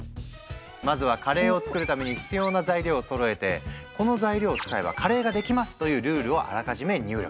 まずはカレーを作るために必要な材料をそろえてこの材料を使えばカレーができますというルールをあらかじめ入力。